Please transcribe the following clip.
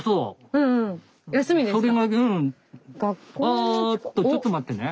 あっとちょっと待ってね。